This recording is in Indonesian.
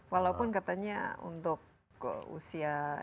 walaupun katanya untuk usia